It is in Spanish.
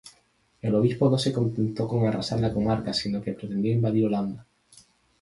El obispo no se contentó con arrasar la comarca sino que pretendió invadir Holanda.